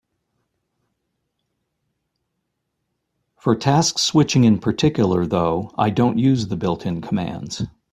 For task switching in particular, though, I don't use the built-in commands.